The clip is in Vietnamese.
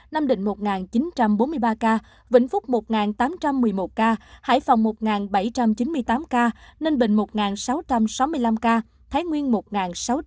nam định một chín trăm bốn mươi ba ca vĩnh phúc một tám trăm một mươi một ca hải phòng một bảy trăm chín mươi tám ca ninh bình một sáu trăm sáu mươi năm ca thái nguyên một sáu trăm linh ca